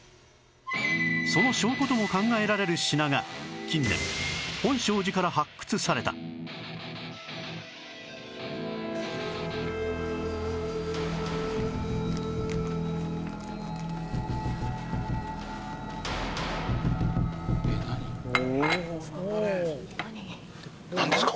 その証拠とも考えられる品が近年本證寺から発掘されたなんですか？